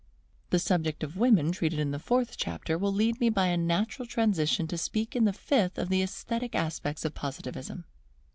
The subject of women treated in the fourth chapter, will lead me by a natural transition to speak in the fifth of the Esthetic aspects of Positivism.